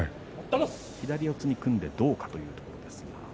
左四つに組んでどうかというところですか。